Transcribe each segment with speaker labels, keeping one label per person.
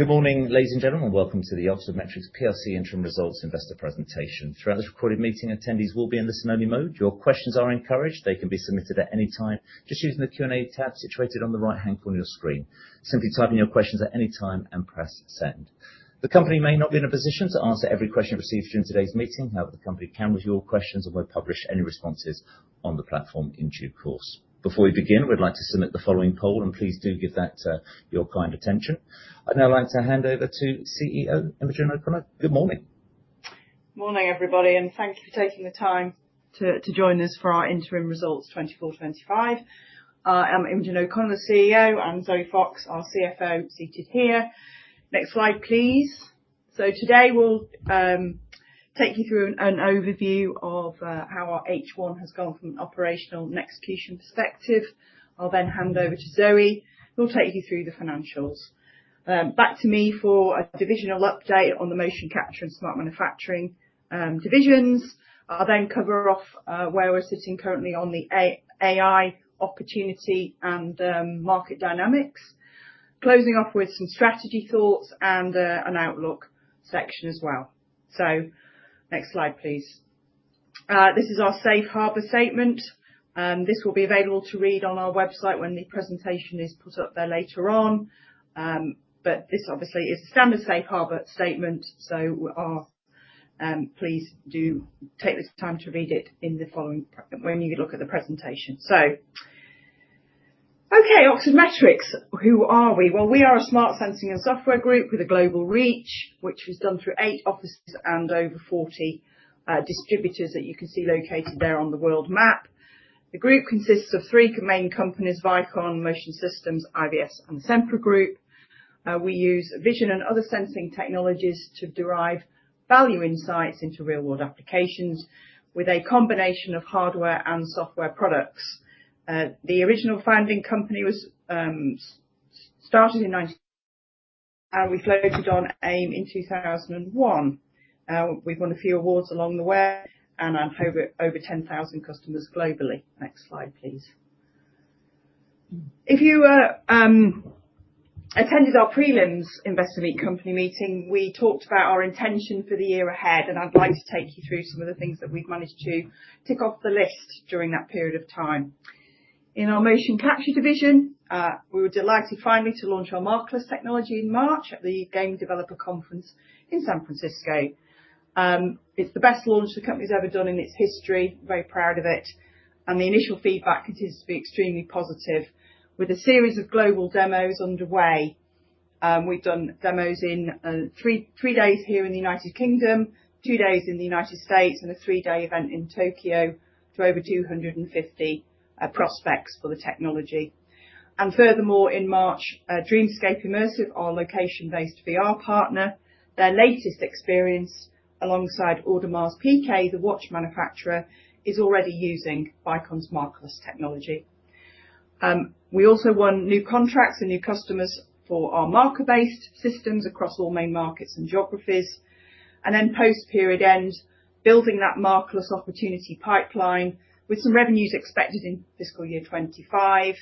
Speaker 1: Good morning, ladies and gentlemen. Welcome to the Oxford Metrics plc interim results investor presentation. Throughout this recorded meeting, attendees will be in listen only mode. Your questions are encouraged. They can be submitted at any time just using the Q&A tab situated on the right-hand corner of your screen. Simply type in your questions at any time and press send. The company may not be in a position to answer every question received during today's meeting. However, the company can review all questions and will publish any responses on the platform in due course. Before we begin, we'd like to submit the following poll, and please do give that your kind attention. I'd now like to hand over to CEO, Imogen Moorhouse. Good morning.
Speaker 2: Morning, everybody. Thank you for taking the time to join us for our interim results 2024/2025. I'm Imogen Moorhouse, CEO, and Zoe Fox, our CFO, seated here. Next slide, please. Today we'll take you through an overview of how our H1 has gone from an operational and execution perspective. I'll then hand over to Zoe, who will take you through the financials. Back to me for a divisional update on the motion capture and smart manufacturing divisions. I'll cover off where we're sitting currently on the AI opportunity and market dynamics. Closing off with some strategy thoughts and an outlook section as well. Next slide, please. This is our safe harbor statement. This will be available to read on our website when the presentation is put up there later on. This obviously is a standard safe harbor statement. Please do take the time to read it when you look at the presentation. Oxford Metrics. Who are we? We are a smart sensing and software group with a global reach, which is done through eight offices and over 40 distributors that you can see located there on the world map. The group consists of three main companies, Vicon Motion Systems, IVS, and The Sempre Group. We use vision and other sensing technologies to derive value insights into real-world applications with a combination of hardware and software products. The original founding company was started in 19-- and we floated on AIM in 2001. We've won a few awards along the way and have over 10,000 customers globally. Next slide, please. If you attended our prelims investor company meeting, we talked about our intention for the year ahead. I'd like to take you through some of the things that we've managed to tick off the list during that period of time. In our Motion Capture division, we were delighted finally to launch our markerless technology in March at the Game Developers Conference in San Francisco. It's the best launch the company's ever done in its history. Very proud of it. The initial feedback continues to be extremely positive with a series of global demos underway. We've done demos in three days here in the U.K., two days in the U.S., and a three-day event in Tokyo to over 250 prospects for the technology. Furthermore, in March, Dreamscape Immersive, our location-based VR partner. Their latest experience alongside Audemars Piguet, the watch manufacturer, is already using Vicon's markerless technology. We also won new contracts and new customers for our marker-based systems across all main markets and geographies. Then post-period end, building that markerless opportunity pipeline with some revenues expected in fiscal year 2025.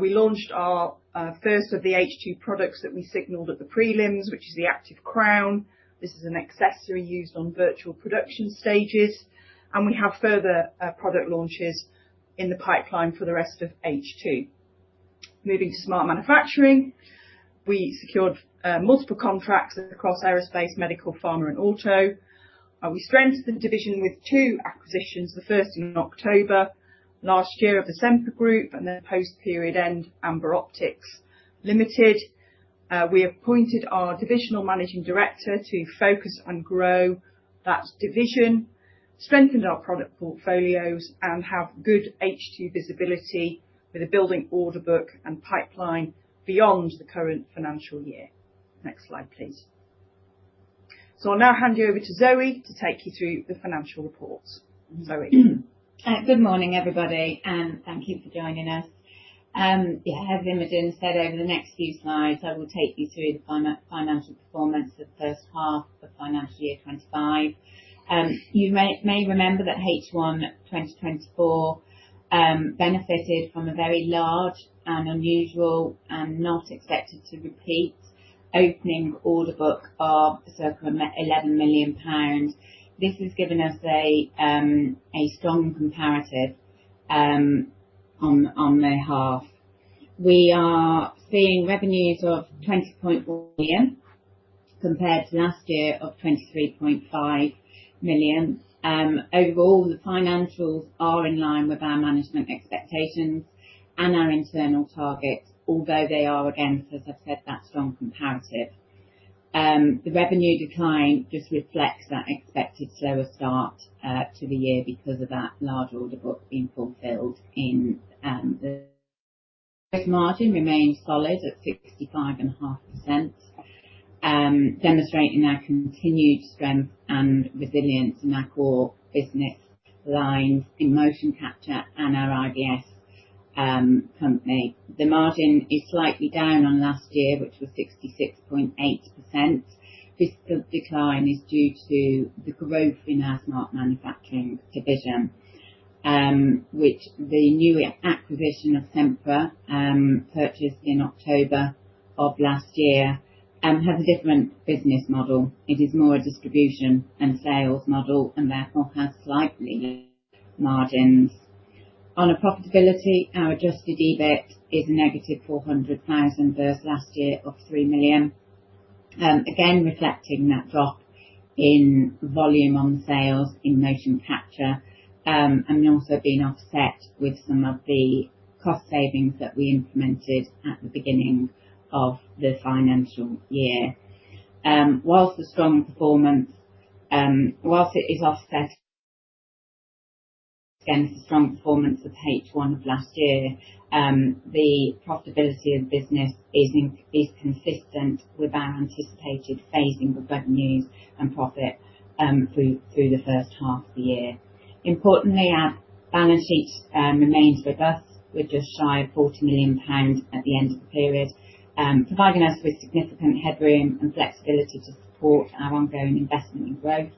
Speaker 2: We launched our first of the H2 products that we signaled at the prelims, which is the Active Crown. This is an accessory used on virtual production stages, and we have further product launches in the pipeline for the rest of H2. Moving to smart manufacturing. We secured multiple contracts across aerospace, medical, pharma, and auto. We strengthened the division with two acquisitions. The first in October last year of The Sempre Group and then post-period end, Amber Optix Ltd. We appointed our divisional managing director to focus and grow that division, strengthened our product portfolios, and have good H2 visibility with a building order book and pipeline beyond the current financial year. Next slide, please. I'll now hand you over to Zoe to take you through the financial report. Zoe.
Speaker 3: Good morning, everybody, and thank you for joining us. As Imogen said, over the next few slides, I will take you through the financial performance of the first half of financial year 2025. You may remember that H1 2024 benefited from a very large and unusual, and not expected to repeat, opening order book of circa 11 million pounds. This has given us a strong comparative on the half. We are seeing revenues of 20.4 million, compared to last year of 23.5 million. Overall, the financials are in line with our management expectations and our internal targets. Although they are, again, as I said, that strong comparative. The revenue decline just reflects that expected slower start to the year because of that large order book being fulfilled in the. Gross margin remains solid at 65.5%, demonstrating our continued strength and resilience in our core business lines in motion capture and our IVS company. The margin is slightly down on last year, which was 66.8%. This decline is due to the growth in our smart manufacturing division, which the newer acquisition of Sempre, purchased in October of last year, has a different business model. It is more a distribution and sales model, and therefore has slightly margins. On a profitability, our adjusted EBIT is negative 400,000 versus last year of 3 million. Reflecting that drop in volume on sales in motion capture, and also being offset with some of the cost savings that we implemented at the beginning of the financial year. Whilst it is offset against the strong performance of H1 of last year, the profitability of the business is consistent with our anticipated phasing of revenues and profit through the first half of the year. Importantly, our balance sheet remains robust with just shy of 40 million pound at the end of the period, providing us with significant headroom and flexibility to support our ongoing investment and growth,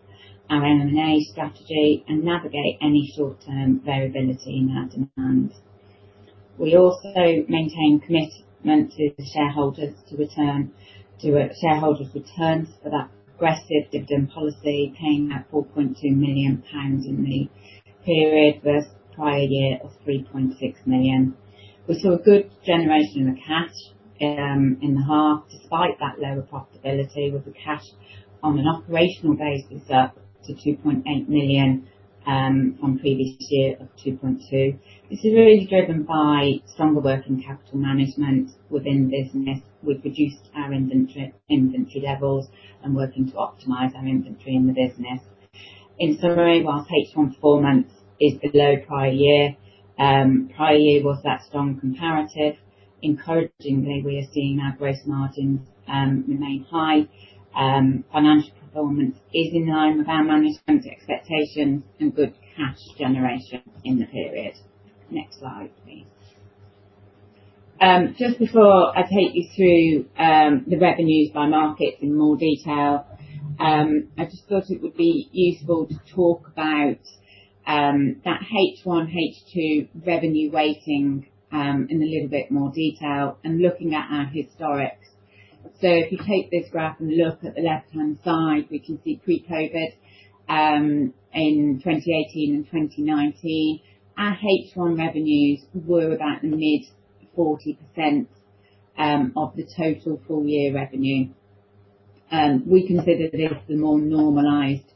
Speaker 3: our M&A strategy, and navigate any short-term variability in our demand. We also maintain commitment to the shareholders to return to shareholders' returns for that aggressive dividend policy, paying out 4.2 million pounds in the period versus the prior year of 3.6 million. We saw good generation of cash in the half despite that lower profitability, with the cash on an operational basis up to 2.8 million on previous year of 2.2 million. This is really driven by stronger working capital management within the business. We've reduced our inventory levels and working to optimize our inventory in the business. In summary, whilst H1 performance is below prior year, prior year was that strong comparative. Encouragingly, we are seeing our gross margins remain high. Financial performance is in line with our management's expectations and good cash generation in the period. Next slide, please. Just before I take you through the revenues by market in more detail, I just thought it would be useful to talk about that H1, H2 revenue weighting in a little bit more detail and looking at our historics. If you take this graph and look at the left-hand side, we can see pre-COVID, in 2018 and 2019, our H1 revenues were about mid-40% of the total full year revenue. We consider this the more normalized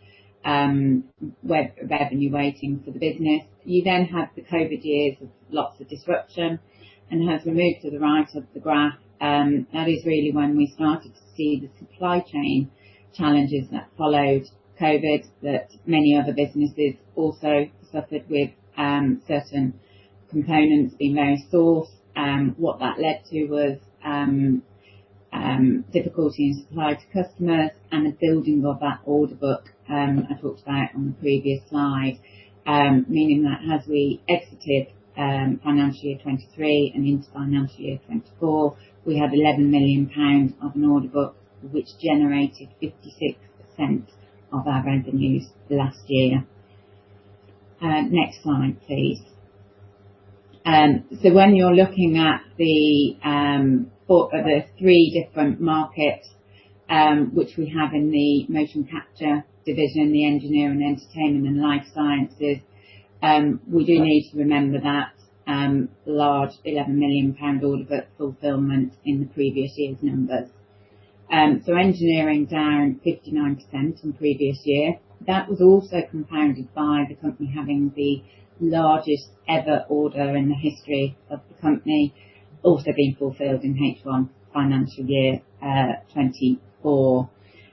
Speaker 3: revenue weighting for the business. You then have the COVID years with lots of disruption, and as we move to the right of the graph, that is really when we started to see the supply chain challenges that followed COVID, that many other businesses also suffered with certain components being very sourced. What that led to was difficulty in supply to customers and the building of that order book I talked about on the previous slide, meaning that as we exited financial year 2023 and into financial year 2024, we have 11 million pounds of an order book, which generated 56% of our revenues last year. Next slide, please. When you're looking at the three different markets, which we have in the motion capture division, the engineering, entertainment, and life sciences, we do need to remember that large 11 million pound order book fulfillment in the previous year's numbers. Engineering down 59% from previous year. That was also compounded by the company having the largest ever order in the history of the company also being fulfilled in H1 financial year 2024.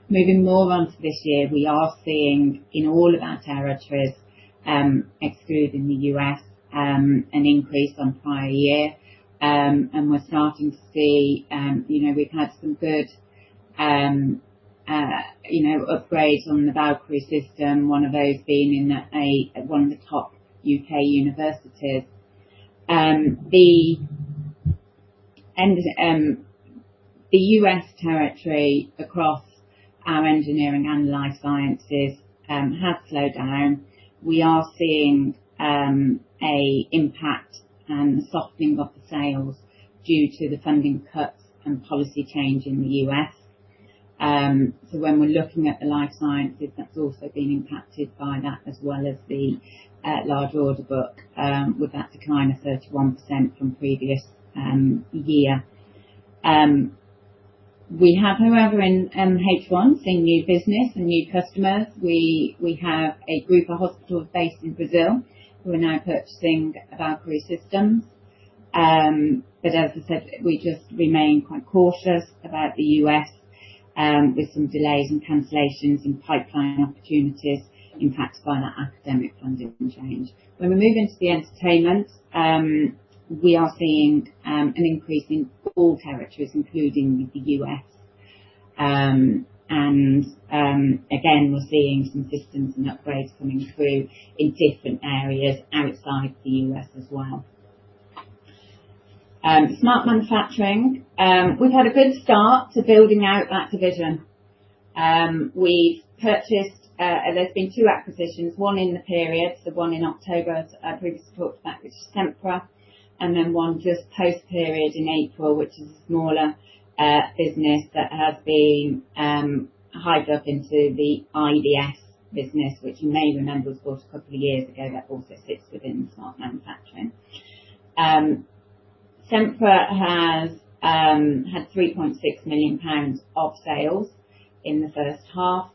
Speaker 3: Moving more on to this year, we are seeing in all of our territories, excluding the U.S., an increase on prior year. We're starting to see we've had some good upgrades on the Valkyrie system, one of those being in one of the top U.K. universities. The U.S. territory across our engineering and life sciences has slowed down. We are seeing a impact and a softening of the sales due to the funding cuts and policy change in the U.S. When we're looking at the life sciences, that's also been impacted by that as well as the large order book, with that decline of 31% from previous year. We have, however, in H1, seen new business and new customers. We have a group of hospitals based in Brazil who are now purchasing Valkyrie systems. As I said, we just remain quite cautious about the U.S., with some delays and cancellations in pipeline opportunities impacted by that academic funding change. When we move into the entertainment, we are seeing an increase in all territories, including the U.S. Again, we're seeing some systems and upgrades coming through in different areas outside the U.S. as well. Smart manufacturing. We've had a good start to building out that division. There's been two acquisitions, one in the period, the one in October, previous talk about which is Sempre, and then one just post-period in April, which is a smaller business that has been hyped up into the IVS business, which you may remember we bought a couple of years ago that also sits within smart manufacturing. Sempre had 3.6 million pounds of sales in the first half,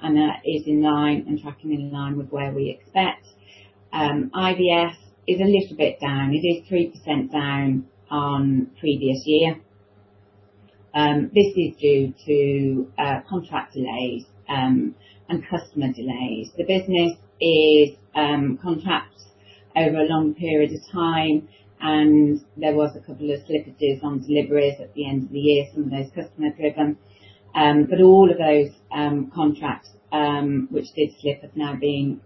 Speaker 3: and that is in line and tracking in line with where we expect. IVS is a little bit down. It is 3% down on previous year. This is due to contract delays and customer delays. The business is contracts over a long period of time, and there was a couple of slippages on deliveries at the end of the year, some of those customer-driven. All of those contracts which did slip have now been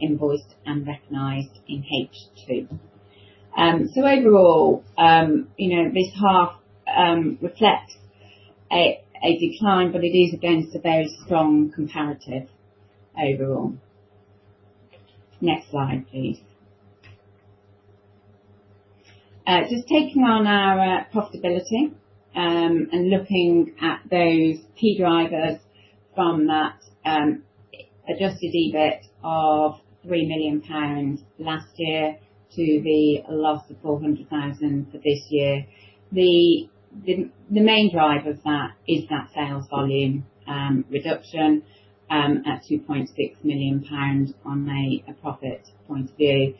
Speaker 3: invoiced and recognized in H2. Overall, this half reflects a decline, but it is against a very strong comparative overall. Next slide, please. Just taking on our profitability, and looking at those key drivers from that adjusted EBIT of 3 million pounds last year to the loss of 400,000 for this year. The main drive of that is that sales volume reduction at 2.6 million pounds on a profit point of view.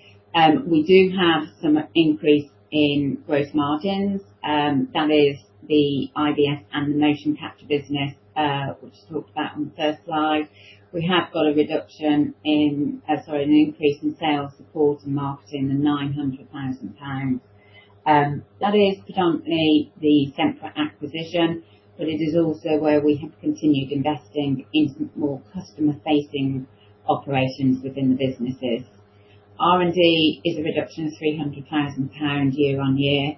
Speaker 3: We do have some increase in gross margins. That is the IVS and the motion capture business which I talked about on the first slide. We have got an increase in sales support and marketing of 900,000 pounds. That is predominantly the Sempre acquisition, but it is also where we have continued investing in more customer-facing operations within the businesses. R&D is a reduction of 300,000 pounds year-on-year,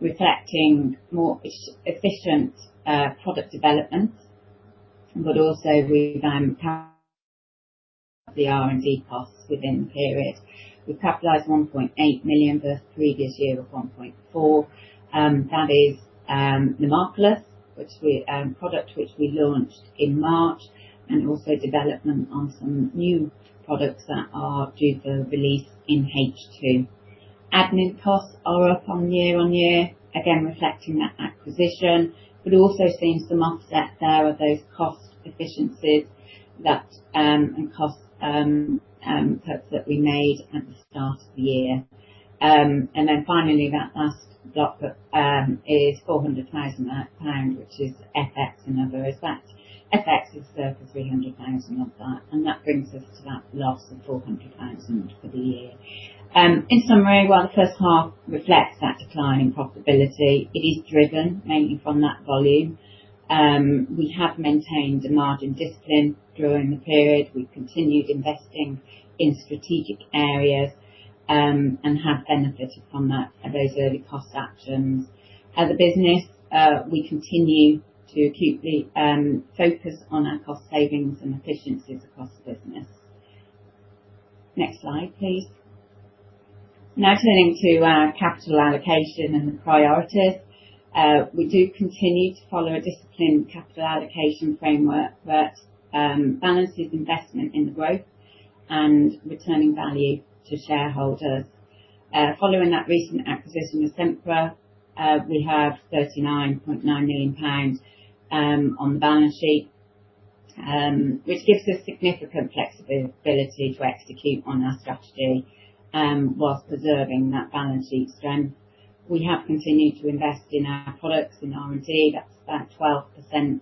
Speaker 3: reflecting more efficient product development, but also we the R&D costs within the period. We've capitalized 1.8 million versus previous year of 1.4 million. That is the Markerless, a product which we launched in March, and also development on some new products that are due for release in H2. Admin costs are up on year-on-year, again reflecting that acquisition, but also seeing some offset there of those cost efficiencies and cuts that we made at the start of the year. Then finally, that last block is 400,000 pound which is FX and other effects. FX is circa 300,000 of that, and that brings us to that loss of 400,000 for the year. In summary, while the first half reflects that decline in profitability, it is driven mainly from that volume. We have maintained a margin discipline during the period. We've continued investing in strategic areas and have benefited from those early cost actions. As a business, we continue to keep the focus on our cost savings and efficiencies across the business. Next slide, please. Turning to our capital allocation and the priorities. We do continue to follow a disciplined capital allocation framework that balances investment in the growth and returning value to shareholders. Following that recent acquisition with Sempre, we have 39.9 million pounds on the balance sheet, which gives us significant flexibility to execute on our strategy whilst preserving that balance sheet strength. We have continued to invest in our products in R&D. That's about 12%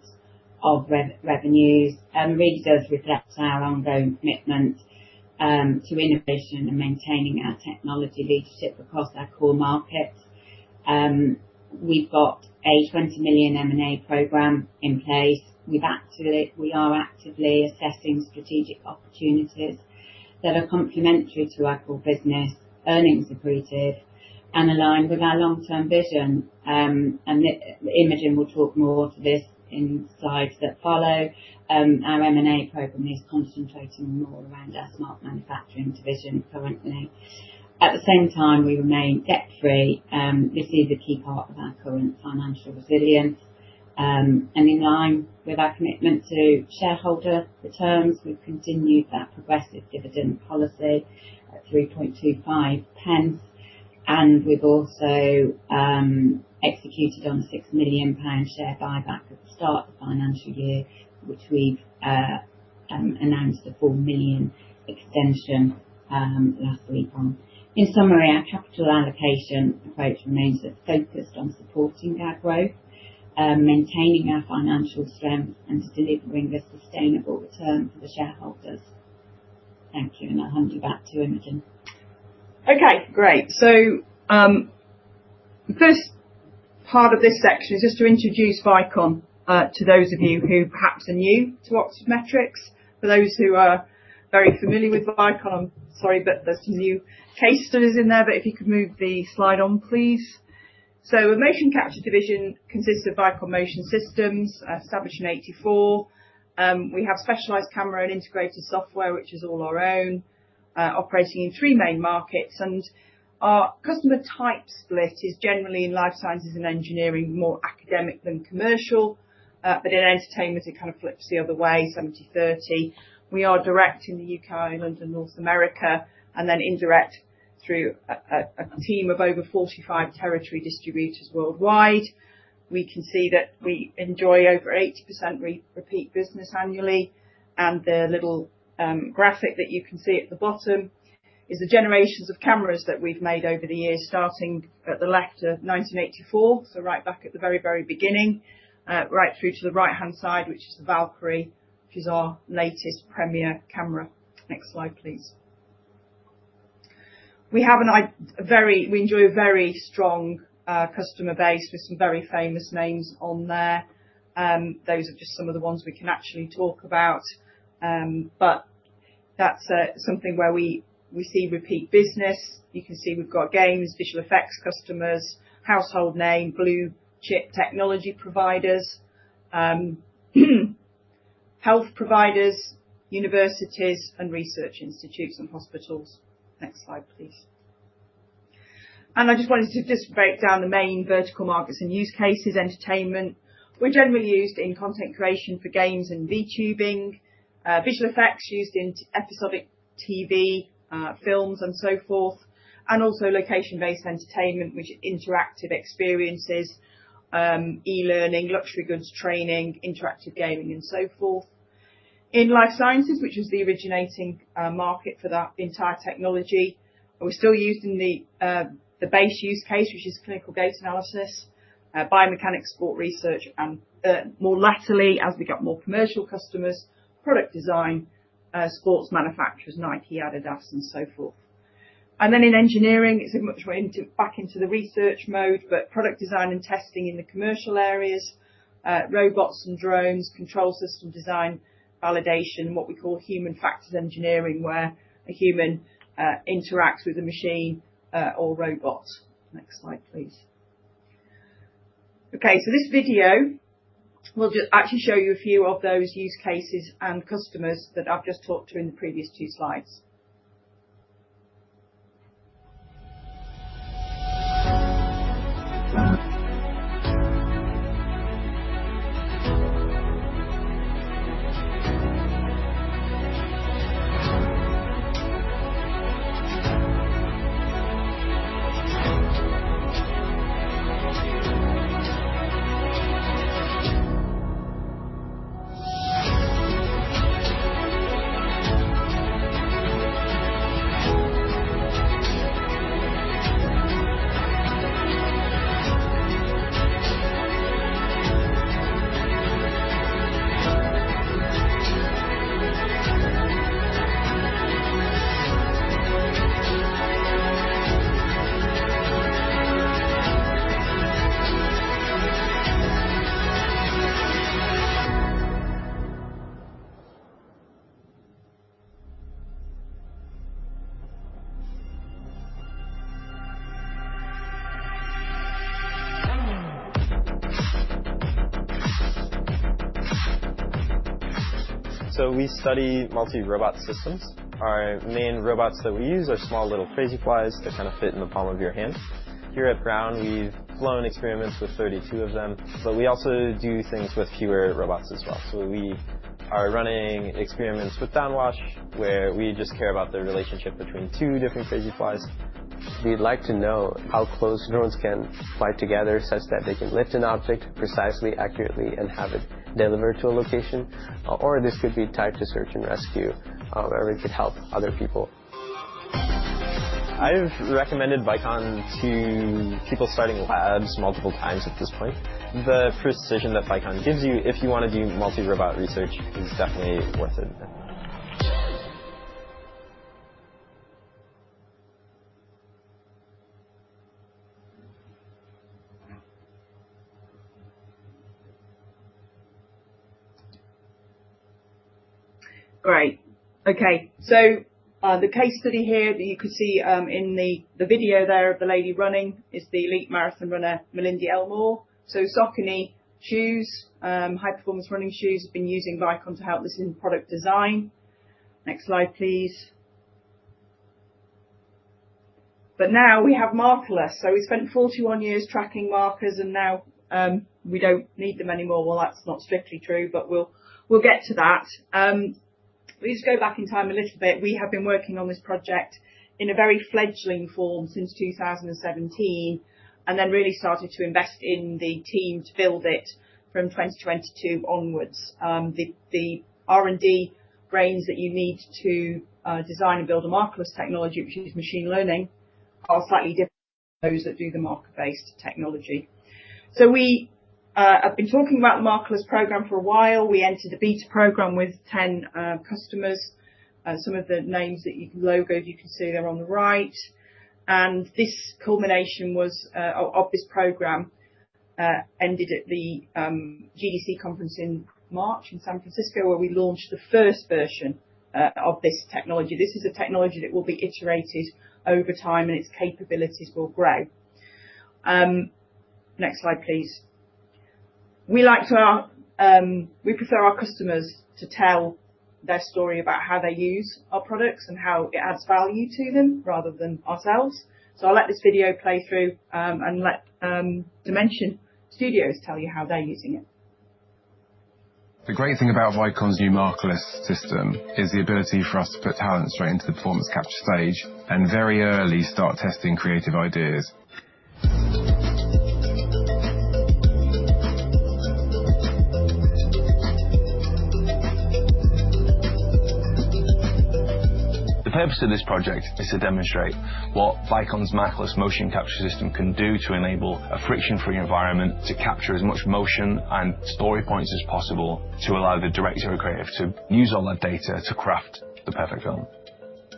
Speaker 3: of revenues, really does reflect our ongoing commitment to innovation and maintaining our technology leadership across our core markets. We've got a 20 million M&A program in place. We are actively assessing strategic opportunities that are complementary to our core business, earnings accretive, and aligned with our long-term vision. Imogen will talk more to this in slides that follow. Our M&A program is concentrating more around our smart manufacturing division currently. At the same time, we remain debt-free. This is a key part of our current financial resilience. In line with our commitment to shareholder returns, we've continued that progressive dividend policy at 0.0325, and we've also executed on the 6 million pound share buyback at the start of the financial year, which we've announced a 4 million extension last week on. In summary, our capital allocation approach remains focused on supporting our growth, maintaining our financial strength, and delivering a sustainable return for the shareholders. Thank you, and I'll hand you back to Imogen.
Speaker 2: Okay, great. First part of this section is just to introduce Vicon to those of you who perhaps are new to Oxford Metrics. For those who are very familiar with Vicon, sorry, but there's some new case studies in there, but if you could move the slide on, please. The motion capture division consists of Vicon Motion Systems, established in 1984. We have specialized camera and integrated software, which is all our own, operating in three main markets. Our customer type split is generally in life sciences and engineering, more academic than commercial. In entertainment, it kind of flips the other way, 70/30. We are direct in the U.K., Ireland, and North America, and then indirect through a team of over 45 territory distributors worldwide. We can see that we enjoy over 80% repeat business annually. The little graphic that you can see at the bottom is the generations of cameras that we've made over the years, starting at the left of 1984, so right back at the very, very beginning, right through to the right-hand side, which is the Valkyrie, which is our latest premier camera. Next slide, please. We enjoy a very strong customer base with some very famous names on there. Those are just some of the ones we can actually talk about. That's something where we see repeat business. You can see we've got games, visual effects customers, household name, blue-chip technology providers, health providers, universities, and research institutes, and hospitals. Next slide, please. I just wanted to just break down the main vertical markets and use cases. Entertainment, we're generally used in content creation for games and VTubing, visual effects used in episodic TV, films, and so forth, and also location-based entertainment, which is interactive experiences, e-learning, luxury goods training, interactive gaming, and so forth. In life sciences, which was the originating market for that entire technology, we're still using the base use case, which is clinical gait analysis, biomechanics, sport research, and more laterally, as we got more commercial customers, product design, sports manufacturers, Nike, Adidas, and so forth. Then in engineering, it's much more back into the research mode, but product design and testing in the commercial areas, robots and drones, control system design, validation, and what we call human factors engineering, where a human interacts with a machine or robot. Next slide, please. Okay, this video will actually show you a few of those use cases and customers that I've just talked to in the previous two slides.
Speaker 4: We study multi-robot systems. Our main robots that we use are small little Crazyflies that kind of fit in the palm of your hand. Here at Brown, we've flown experiments with 32 of them, but we also do things with fewer robots as well. We are running experiments with downwash, where we just care about the relationship between two different Crazyflies. We'd like to know how close drones can fly together such that they can lift an object precisely, accurately, and have it delivered to a location, or this could be tied to search and rescue, where we could help other people. I've recommended Vicon to people starting labs multiple times at this point. The precision that Vicon gives you if you want to do multi-robot research is definitely worth it.
Speaker 2: Great. Okay. The case study here that you could see in the video there of the lady running is the elite marathon runner, Malindi Elmore. Saucony Shoes, high-performance running shoes, have been using Vicon to help this in product design. Next slide, please. But now we have markerless. We spent 41 years tracking markers, and now we don't need them anymore. Well, that's not strictly true, but we'll get to that. We'll just go back in time a little bit. We have been working on this project in a very fledgling form since 2017, and then really started to invest in the team to build it from 2022 onwards. The R&D brains that you need to design and build a markerless technology, which uses machine learning, are slightly different from those that do the marker-based technology. I've been talking about the markerless program for a while. We entered a beta program with 10 customers. Some of the names, the logos, you can see there on the right. This culmination of this program ended at the GDC conference in March in San Francisco, where we launched the first version of this technology. This is a technology that will be iterated over time, and its capabilities will grow. Next slide, please. We prefer our customers to tell their story about how they use our products and how it adds value to them rather than ourselves. I'll let this video play through, and let Dimension Studio tell you how they're using it.
Speaker 5: The great thing about Vicon's new markerless system is the ability for us to put talent straight into the performance capture stage and very early start testing creative ideas. The purpose of this project is to demonstrate what Vicon's markerless motion capture system can do to enable a friction-free environment to capture as much motion and story points as possible to allow the director or creative to use all that data to craft the perfect film.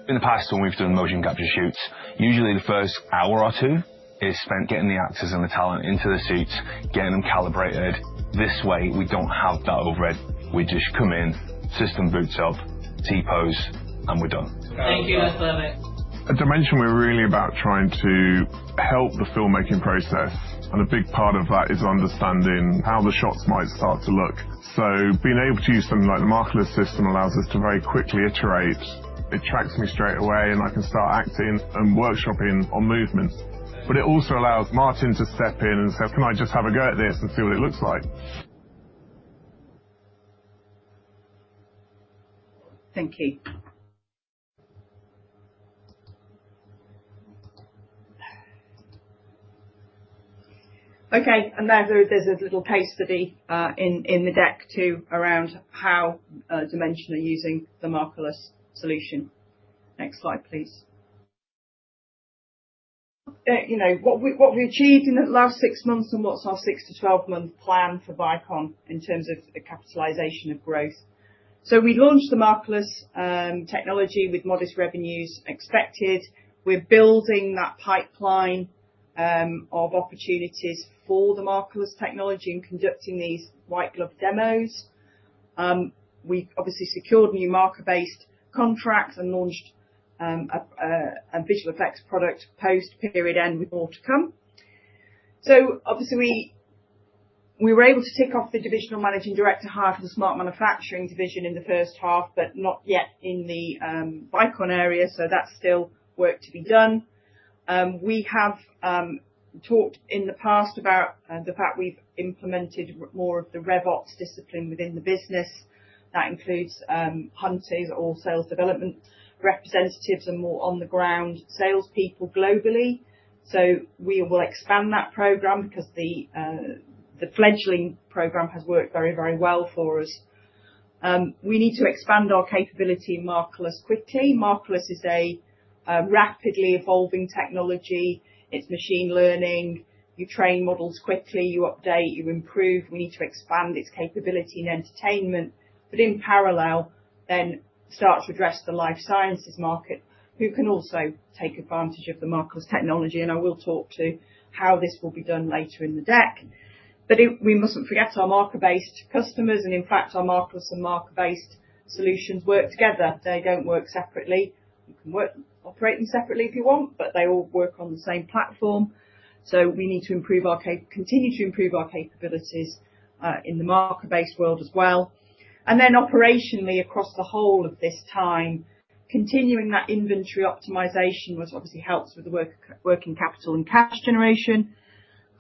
Speaker 5: In the past, when we've done motion capture shoots, usually the first hour or two is spent getting the actors and the talent into the suits, getting them calibrated. This way, we don't have that overhead. We just come in, system boots up, T-pose, and we're done.
Speaker 4: Thank you. That's perfect.
Speaker 5: At Dimension Studio, we're really about trying to help the filmmaking process, and a big part of that is understanding how the shots might start to look. Being able to use something like the Markerless system allows us to very quickly iterate. It tracks me straight away, and I can start acting and workshopping on movements. It also allows Martin to step in and say, "Can I just have a go at this and see what it looks like?
Speaker 2: Thank you. There's a little case study in the deck, too, around how Dimension Studio are using the Markerless solution. Next slide, please. What we achieved in the last six months and what's our six to 12-month plan for Vicon in terms of the capitalization of growth. We launched the Markerless technology with modest revenues expected. We're building that pipeline of opportunities for the Markerless technology in conducting these white glove demos. We obviously secured new marker-based contracts and launched a visual effects product post period end with more to come. Obviously, we were able to tick off the divisional managing director hire for the smart manufacturing division in the first half, but not yet in the Vicon area, that's still work to be done. We have talked in the past about the fact we've implemented more of the RevOps discipline within the business. That includes hunters or sales development representatives and more on the ground salespeople globally. We will expand that program because the fledgling program has worked very well for us. We need to expand our capability in Markerless quickly. Markerless is a rapidly evolving technology. It's machine learning. You train models quickly, you update, you improve. We need to expand its capability in entertainment, but in parallel, then start to address the life sciences market, who can also take advantage of the Markerless technology, and I will talk to how this will be done later in the deck. We mustn't forget our marker-based customers, and in fact, our Markerless and marker-based solutions work together. They don't work separately. You can operate them separately if you want, but they all work on the same platform. We need to continue to improve our capabilities, in the marker-based world as well. Operationally, across the whole of this time, continuing that inventory optimization, which obviously helps with the working capital and cash generation,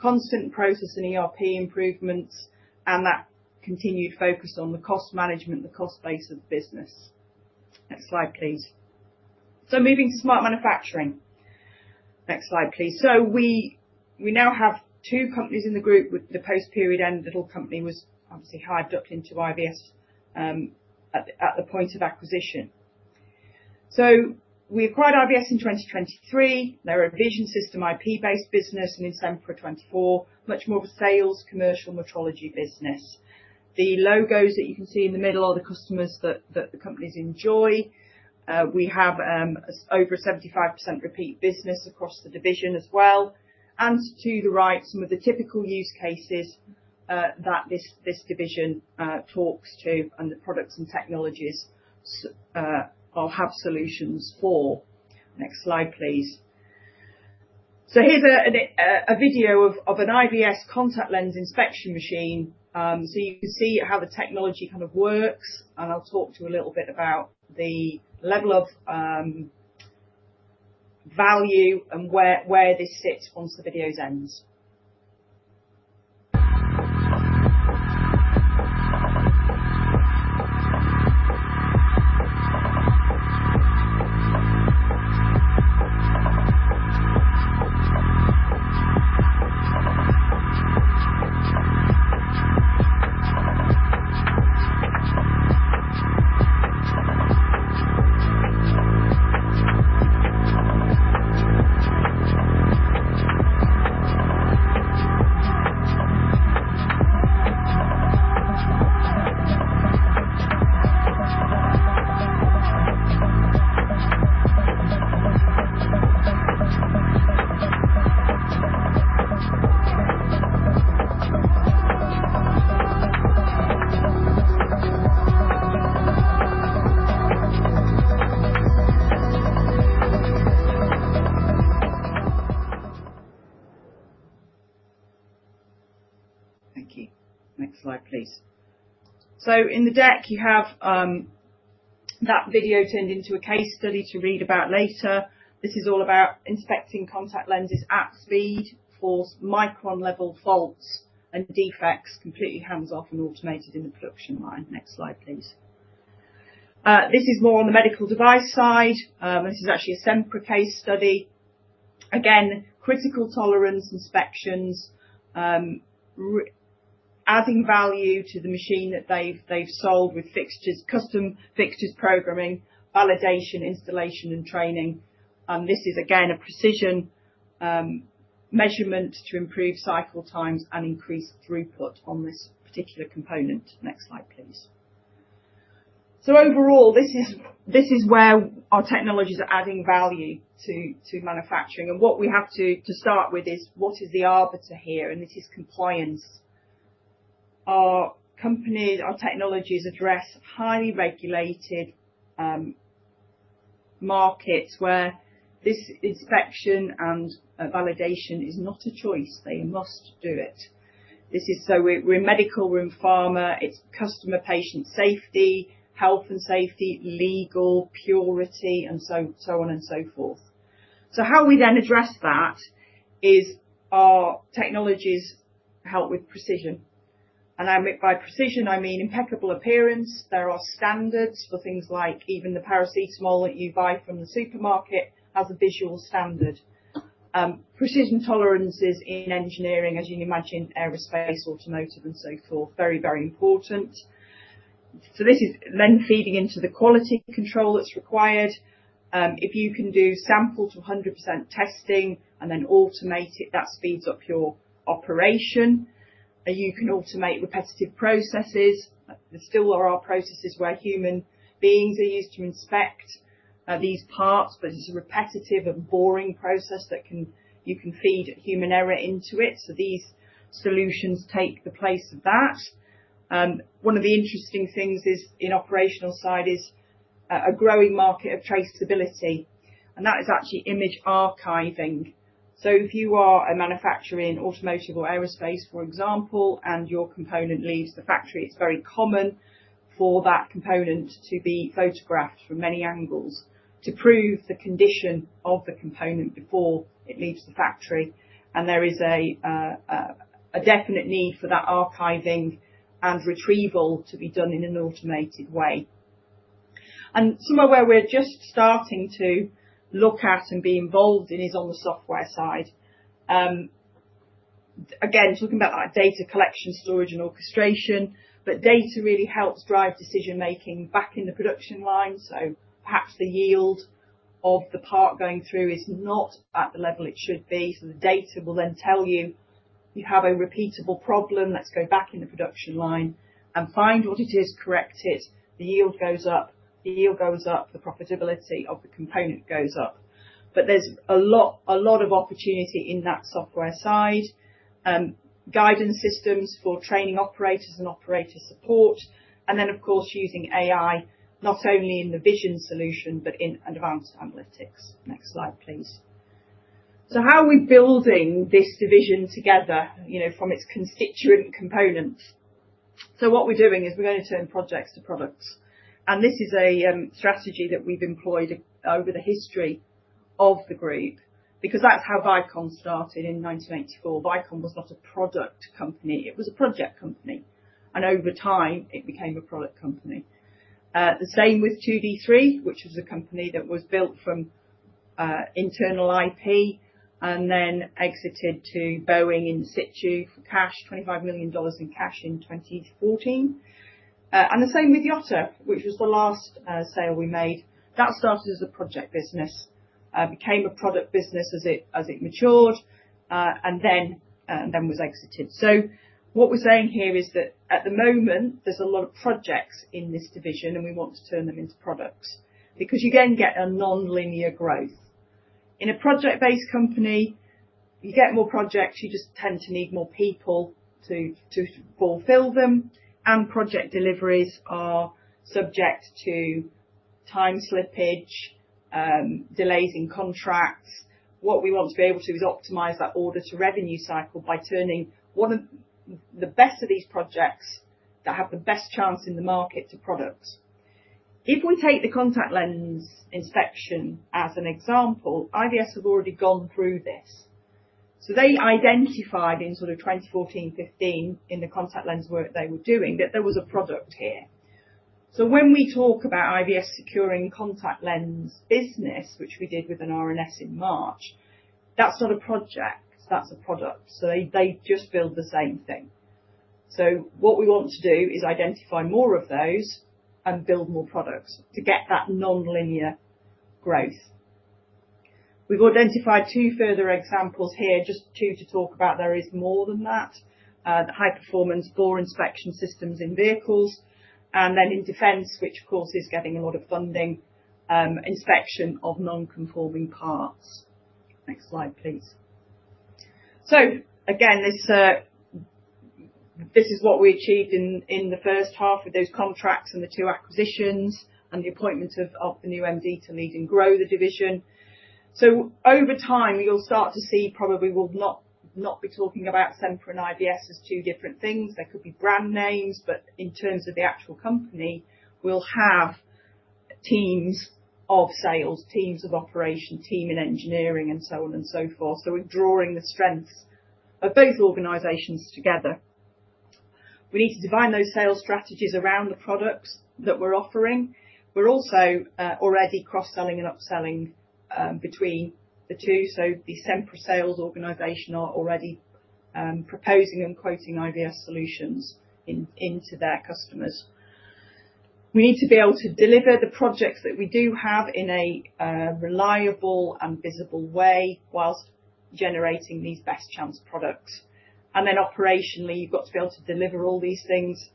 Speaker 2: constant process and ERP improvements, and that continued focus on the cost management, the cost base of the business. Next slide, please. Moving to smart manufacturing. Next slide, please. We now have two companies in the group with the post-period end. Little company was obviously hired up into IVS at the point of acquisition. We acquired IVS in 2023. They're a vision system IP-based business, and in December 2024, much more of a sales commercial metrology business. The logos that you can see in the middle are the customers that the companies enjoy. We have over a 75% repeat business across the division as well, and to the right, some of the typical use cases that this division talks to and the products and technologies or have solutions for. Next slide, please. Here's a video of an IVS contact lens inspection machine. You can see how the technology kind of works, and I'll talk to you a little bit about the level of value and where this sits once the video ends. Thank you. Next slide, please. In the deck, you have that video turned into a case study to read about later. This is all about inspecting contact lenses at speed for micron-level faults and defects, completely hands-off and automated in the production line. Next slide, please. This is more on the medical device side. This is actually a Sempre case study. Again, critical tolerance inspections, adding value to the machine that they've sold with custom fixtures, programming, validation, installation, and training. This is again a precision measurement to improve cycle times and increase throughput on this particular component. Next slide, please. Overall, this is where our technologies are adding value to manufacturing. What we have to start with is what is the arbiter here? It is compliance. Our technologies address highly regulated markets where this inspection and validation is not a choice. They must do it. We're in medical, we're in pharma. It's customer-patient safety, health and safety, legal, purity, and so on and so forth. How we then address that is our technologies help with precision. By precision, I mean impeccable appearance. There are standards for things like even the paracetamol that you buy from the supermarket has a visual standard. Precision tolerances in engineering, as you can imagine, aerospace, automotive, and so forth, very important. This is then feeding into the quality control that's required. If you can do sample to 100% testing and then automate it, that speeds up your operation. You can automate repetitive processes. There still are processes where human beings are used to inspect these parts, but it's a repetitive and boring process that you can feed human error into it. These solutions take the place of that. One of the interesting things in operational side is a growing market of traceability, and that is actually image archiving. If you are a manufacturer in automotive or aerospace, for example, and your component leaves the factory, it's very common for that component to be photographed from many angles to prove the condition of the component before it leaves the factory. There is a definite need for that archiving and retrieval to be done in an automated way. Somewhere where we're just starting to look at and be involved in is on the software side. Again, talking about that data collection, storage, and orchestration. Data really helps drive decision-making back in the production line. Perhaps the yield of the part going through is not at the level it should be. The data will then tell you have a repeatable problem, let's go back in the production line and find what it is, correct it. The yield goes up. The yield goes up, the profitability of the component goes up. There's a lot of opportunity in that software side. Guidance systems for training operators and operator support. Then, of course, using AI not only in the vision solution but in advanced analytics. Next slide, please. How are we building this division together from its constituent components? What we're doing is we're going to turn projects to products. This is a strategy that we've employed over the history of the group, because that's how Vicon started in 1984. Vicon was not a product company, it was a project company. Over time, it became a product company. The same with 2d3, which was a company that was built from internal IP and then exited to Boeing Insitu for cash, $25 million in cash in 2014. The same with Yotta, which was the last sale we made. That started as a project business, became a product business as it matured, and then was exited. What we're saying here is that at the moment, there's a lot of projects in this division, and we want to turn them into products, because you then get a nonlinear growth. In a project-based company, you get more projects, you just tend to need more people to fulfill them. Project deliveries are subject to time slippage, delays in contracts. What we want to be able to do is optimize that order-to-revenue cycle by turning the best of these projects that have the best chance in the market to products. If we take the contact lens inspection as an example, IVS have already gone through this. They identified in 2014, 2015 in the contact lens work they were doing that there was a product here. When we talk about IVS securing contact lens business, which we did with an RNS in March, that's not a project, that's a product. They just build the same thing. What we want to do is identify more of those and build more products to get that nonlinear growth. We've identified two further examples here, just two to talk about. There is more than that. The high-performance bore inspection systems in vehicles, then in defense, which of course is getting a lot of funding, inspection of non-conforming parts. Next slide, please. Again, this is what we achieved in the first half with those contracts and the two acquisitions, and the appointment of the new MD to lead and grow the division. Over time, you'll start to see probably we'll not be talking about Sempre and IVS as two different things. They could be brand names, but in terms of the actual company, we'll have teams of sales, teams of operation, team in engineering, and so on and so forth. We're drawing the strengths of both organizations together. We need to define those sales strategies around the products that we're offering. We're also already cross-selling and upselling between the two, so the Sempre sales organization are already proposing and quoting IVS solutions into their customers. We need to be able to deliver the projects that we do have in a reliable and visible way whilst generating these best chance products. Then operationally, you've got to be able to deliver all these things.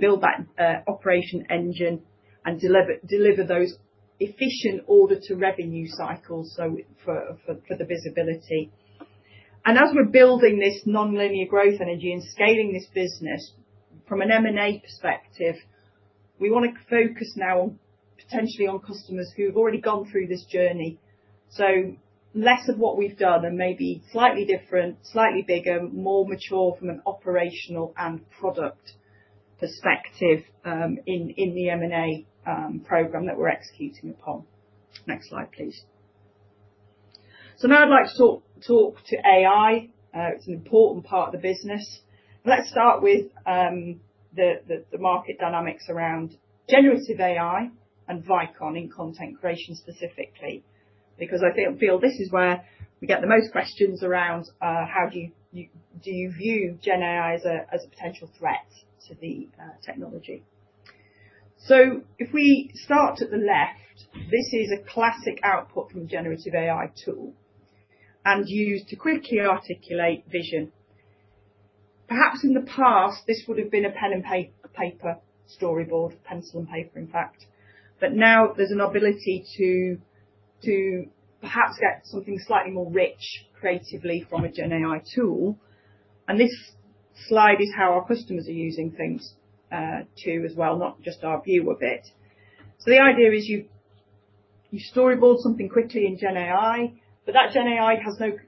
Speaker 2: Build that operation engine and deliver those efficient order-to-revenue cycles for the visibility. As we're building this nonlinear growth energy and scaling this business from an M&A perspective, we want to focus now potentially on customers who have already gone through this journey. Less of what we've done and maybe slightly different, slightly bigger, more mature from an operational and product perspective in the M&A program that we're executing upon. Next slide, please. Now I'd like to talk to AI. It's an important part of the business. Let's start with the market dynamics around generative AI and Vicon in content creation specifically, because I feel this is where we get the most questions around how do you view gen AI as a potential threat to the technology. If we start at the left, this is a classic output from a generative AI tool and used to quickly articulate vision. Perhaps in the past, this would have been a pen and paper storyboard, pencil and paper, in fact. Now there's an ability to perhaps get something slightly more rich creatively from a gen AI tool. This slide is how our customers are using things, too, as well, not just our view of it. The idea is you storyboard something quickly in gen AI, but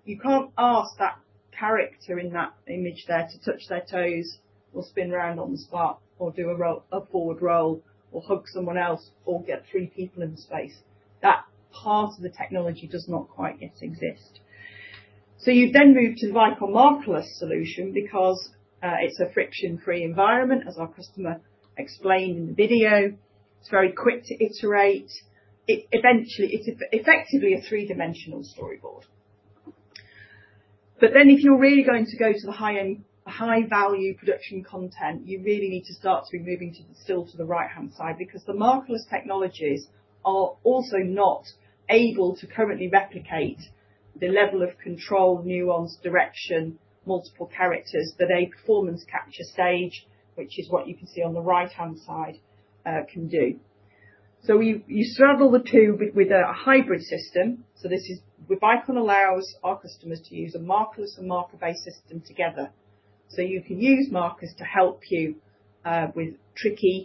Speaker 2: you can't ask that character in that image there to touch their toes or spin around on the spot or do a forward roll or hug someone else or get three people in the space. That part of the technology does not quite yet exist. You then move to Vicon markerless solution because it's a friction-free environment, as our customer explained in the video. It's very quick to iterate. It's effectively a three-dimensional storyboard. If you're really going to go to the high-value production content, you really need to start to be moving still to the right-hand side because the markerless technologies are also not able to currently replicate the level of control, nuance, direction, multiple characters that a performance capture stage, which is what you can see on the right-hand side, can do. You straddle the two with a hybrid system. Vicon allows our customers to use a markerless and marker-based system together. You can use markers to help you with tricky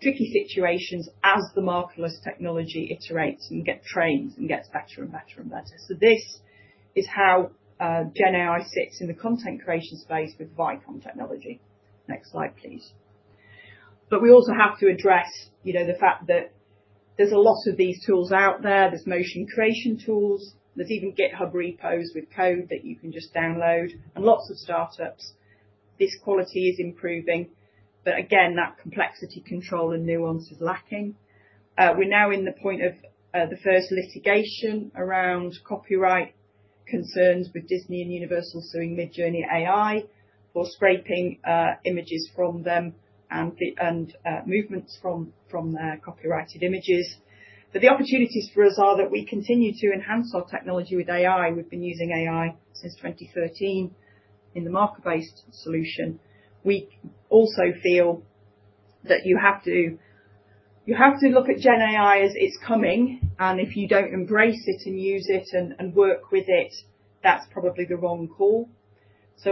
Speaker 2: situations as the markerless technology iterates and gets trained and gets better and better and better. This is how gen AI sits in the content creation space with Vicon technology. Next slide, please. We also have to address the fact that there's a lot of these tools out there. There's motion creation tools. There's even GitHub repos with code that you can just download and lots of startups. This quality is improving, but again, that complexity control and nuance is lacking. We're now in the point of the first litigation around copyright concerns with Disney and Universal suing Midjourney AI for scraping images from them and movements from their copyrighted images. The opportunities for us are that we continue to enhance our technology with AI. We've been using AI since 2013 in the marker-based solution. We also feel that you have to look at gen AI as it's coming, and if you don't embrace it and use it and work with it, that's probably the wrong call.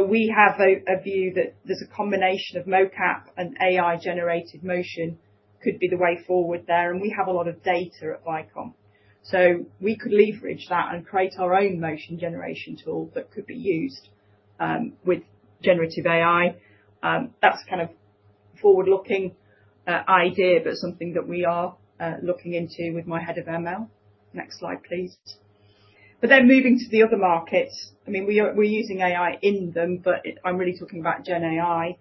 Speaker 2: We have a view that there's a combination of mocap and AI-generated motion could be the way forward there, and we have a lot of data at Vicon. We could leverage that and create our own motion generation tool that could be used with generative AI. That's kind of a forward-looking idea, but something that we are looking into with my head of ML. Next slide, please. Moving to the other markets. We're using AI in them, but I'm really talking about gen AI.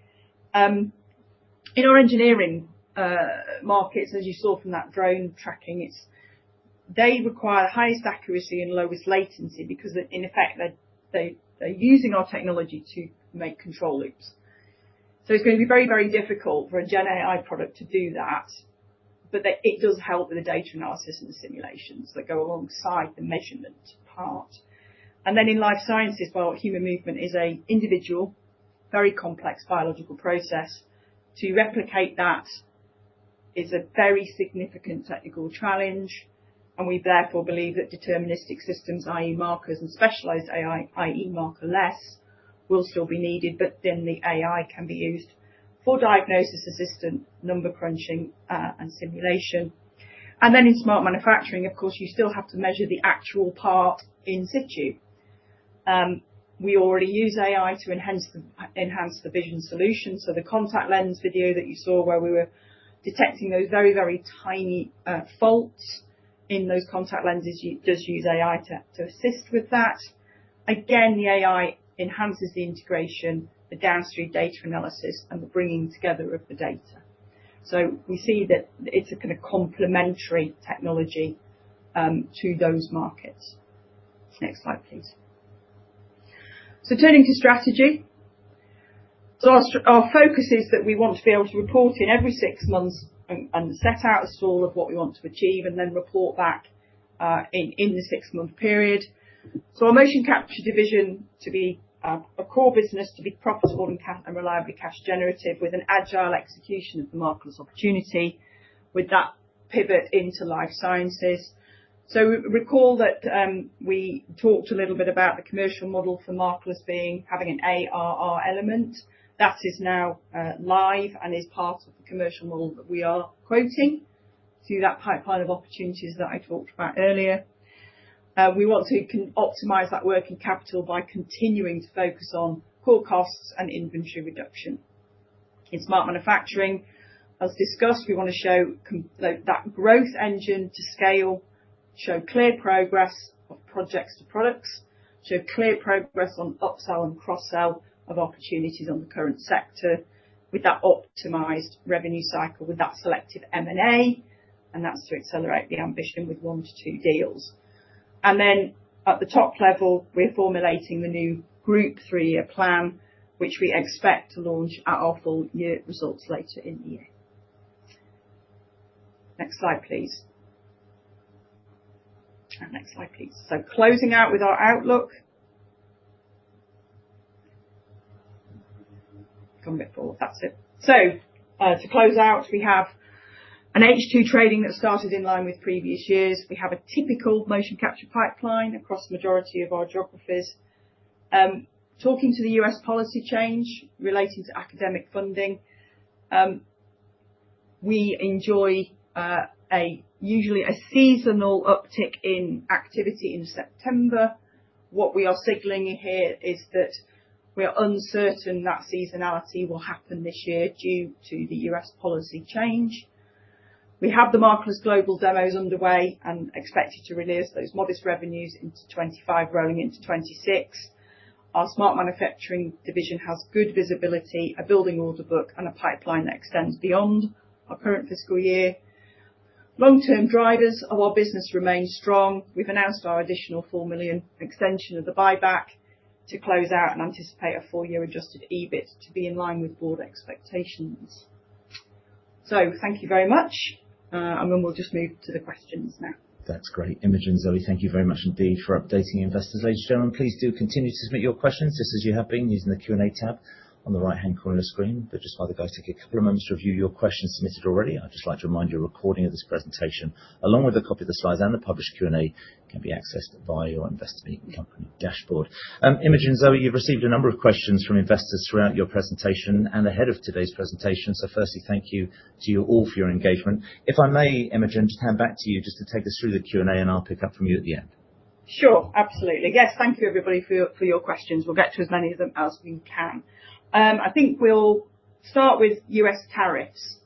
Speaker 2: In our engineering markets, as you saw from that drone tracking, they require the highest accuracy and lowest latency because, in effect, they're using our technology to make control loops. It's going to be very difficult for a gen AI product to do that, but it does help with the data analysis and the simulations that go alongside the measurement part. In life sciences, while human movement is an individual, very complex biological process, to replicate that is a very significant technical challenge, and we therefore believe that deterministic systems, i.e., markers and specialized AI, i.e., markerless, will still be needed. The AI can be used for diagnosis, assistant, number crunching, and simulation. In smart manufacturing, of course, you still have to measure the actual part Insitu. We already use AI to enhance the vision solution. The contact lens video that you saw where we were detecting those very tiny faults in those contact lenses, does use AI to assist with that. Again, the AI enhances the integration, the downstream data analysis, and the bringing together of the data. We see that it's a kind of complementary technology to those markets. Next slide, please. Turning to strategy. Our focus is that we want to be able to report in every six months, and set out a stall of what we want to achieve, and then report back in the six-month period. Our motion capture division to be a core business, to be profitable and reliably cash generative with an agile execution of the markerless opportunity with that pivot into life sciences. Recall that we talked a little bit about the commercial model for markerless having an ARR element, that is now live and is part of the commercial model that we are quoting to that pipeline of opportunities that I talked about earlier. We want to optimize that working capital by continuing to focus on core costs and inventory reduction. In smart manufacturing, as discussed, we want to show that growth engine to scale, show clear progress of projects to products, show clear progress on upsell and cross-sell of opportunities on the current sector with that optimized revenue cycle, with that selective M&A, that's to accelerate the ambition with one to two deals. At the top level, we're formulating the new group three-year plan, which we expect to launch at our full year results later in the year. Next slide, please. Next slide, please. Closing out with our outlook. Gone a bit forward. That's it. To close out, we have an H2 trading that started in line with previous years. We have a typical motion capture pipeline across the majority of our geographies. Talking to the U.S. policy change related to academic funding, we enjoy usually a seasonal uptick in activity in September. What we are signaling here is that we are uncertain that seasonality will happen this year due to the U.S. policy change. We have the markerless global demos underway and expected to release those modest revenues into 2025, growing into 2026. Our smart manufacturing division has good visibility, a building order book, and a pipeline that extends beyond our current fiscal year. Long-term drivers of our business remain strong. We've announced our additional 4 million extension of the buyback to close out and anticipate a full-year adjusted EBIT to be in line with board expectations. Thank you very much, we'll just move to the questions now.
Speaker 1: That's great. Imogen, Zoe, thank you very much indeed for updating investors. Ladies and gentlemen, please do continue to submit your questions just as you have been using the Q&A tab on the right-hand corner of the screen. Just while the guys take a couple of moments to review your questions submitted already, I'd just like to remind you, a recording of this presentation, along with a copy of the slides and the published Q&A, can be accessed via your Investor Meet Company dashboard. Imogen, Zoe, you've received a number of questions from investors throughout your presentation and ahead of today's presentation. Firstly, thank you to you all for your engagement. If I may, Imogen, just hand back to you just to take us through the Q&A. I'll pick up from you at the end.
Speaker 2: Sure. Absolutely. Yes. Thank you everybody for your questions. We'll get to as many of them as we can. I think we'll start with U.S. tariffs,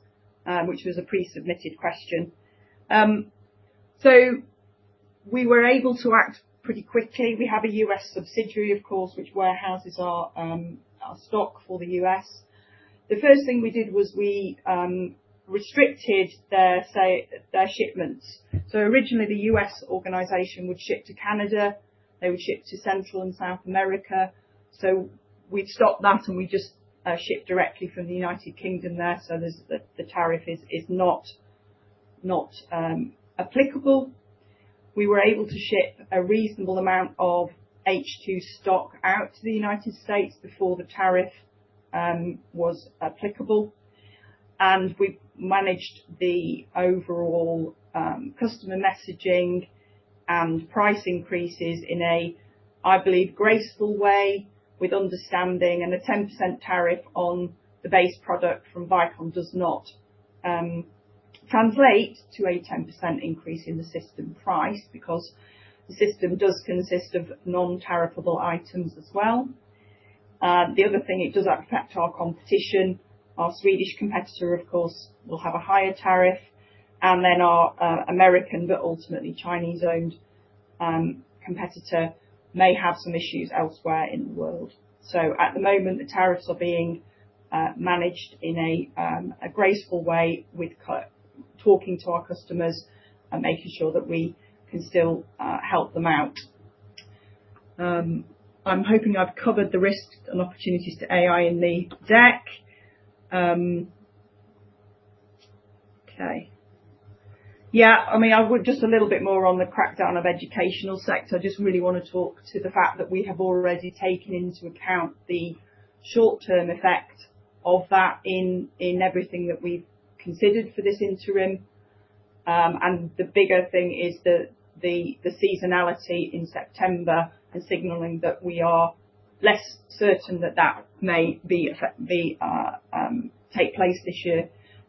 Speaker 2: which was a pre-submitted question. We were able to act pretty quickly. We have a U.S. subsidiary, of course, which warehouses our stock for the U.S. The first thing we did was we restricted their shipments. Originally the U.S. organization would ship to Canada, they would ship to Central and South America. We'd stopped that, we just ship directly from the United Kingdom there. The tariff is not applicable. We were able to ship a reasonable amount of H2 stock out to the U.S. before the tariff was applicable. We've managed the overall customer messaging and price increases in a, I believe, graceful way with understanding. A 10% tariff on the base product from Vicon does not translate to a 10% increase in the system price because the system does consist of non-tariffable items as well. The other thing, it does affect our competition. Our Swedish competitor, of course, will have a higher tariff. Our American, but ultimately Chinese-owned competitor may have some issues elsewhere in the world. At the moment, the tariffs are being managed in a graceful way with talking to our customers and making sure that we can still help them out. I'm hoping I've covered the risks and opportunities to AI in the deck. Okay. Yeah. Just a little bit more on the crackdown of educational sector. I just really want to talk to the fact that we have already taken into account the short-term effect of that in everything that we've considered for this interim. The bigger thing is the seasonality in September and signaling that we are less certain that that may take place this year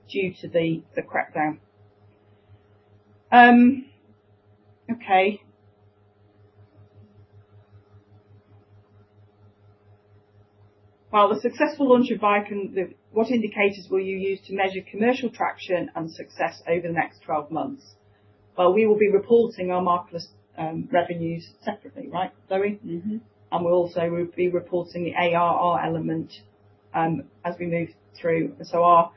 Speaker 2: due to the crackdown. Okay. While the successful launch of Vicon, what indicators will you use to measure commercial traction and success over the next 12 months? Well, we will be reporting our markerless revenues separately, right, Zoe? We'll also be reporting the ARR element as we move through. Our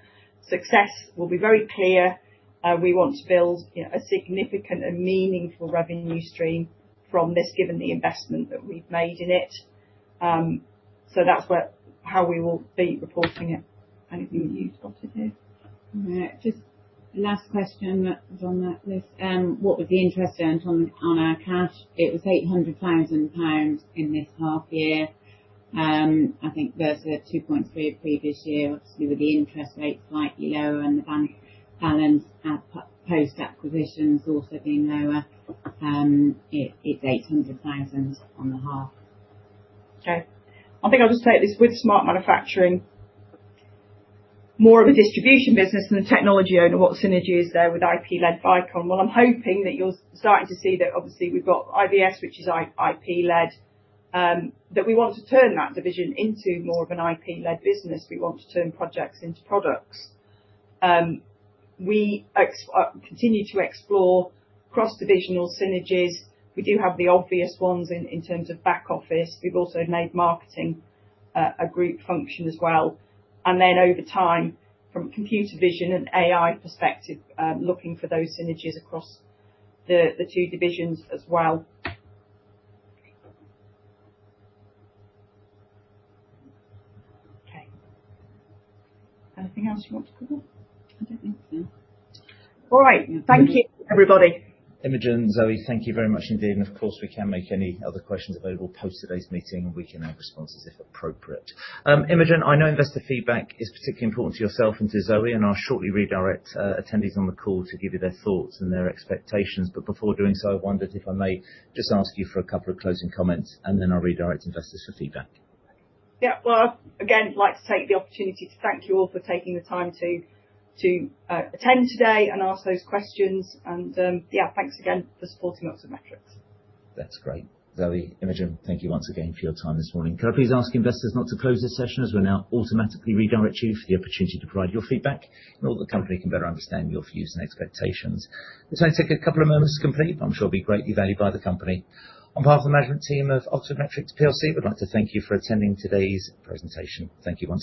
Speaker 2: success will be very clear. We want to build a significant and meaningful revenue stream from this, given the investment that we've made in it. So that's how we will be reporting it. Anything that you've spotted here?
Speaker 3: Just last question that was on that list. What was the interest earned on our cash? It was 800,000 pounds in this half year. I think versus 2.3 previous year. Obviously, with the interest rates slightly lower and the bank balance post-acquisitions also being lower, it's 800,000 on the half.
Speaker 2: Okay. I think I'll just take this. With smart manufacturing, more of a distribution business than a technology owner, what synergy is there with IP-led Vicon? Well, I'm hoping that you're starting to see that obviously we've got IVS, which is IP-led, that we want to turn that division into more of an IP-led business. We want to turn projects into products. We continue to explore cross-divisional synergies. We do have the obvious ones in terms of back office. We've also made marketing a group function as well. Over time, from a computer vision and AI perspective, looking for those synergies across the two divisions as well. Okay. Anything else you want to cover?
Speaker 3: I don't think so.
Speaker 2: All right. Thank you, everybody.
Speaker 1: Imogen, Zoe, thank you very much indeed. Of course, we can make any other questions available post today's meeting, we can add responses if appropriate. Imogen, I know investor feedback is particularly important to yourself and to Zoe, I'll shortly redirect attendees on the call to give you their thoughts and their expectations. Before doing so, I wondered if I may just ask you for a couple of closing comments, then I'll redirect investors for feedback.
Speaker 2: Well, I'd, again, like to take the opportunity to thank you all for taking the time to attend today and ask those questions. Yeah, thanks again for supporting Oxford Metrics.
Speaker 1: That's great. Zoe, Imogen, thank you once again for your time this morning. Could I please ask investors not to close this session as we'll now automatically redirect you for the opportunity to provide your feedback in order that the company can better understand your views and expectations. This may take a couple of moments to complete. I'm sure it'll be greatly valued by the company. On behalf of the management team of Oxford Metrics plc, we'd like to thank you for attending today's presentation. Thank you once again